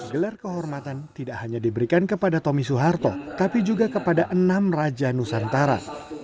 gelar kehormatan tidak hanya diberikan kepada tommy soeharto tapi juga kepada enam raja nusantara